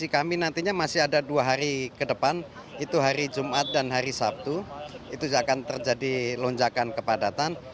kami nantinya masih ada dua hari ke depan itu hari jumat dan hari sabtu itu akan terjadi lonjakan kepadatan